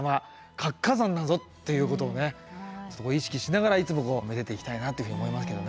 活火山だぞっていうことを意識しながらいつもめでていきたいなというふうに思いますけどね。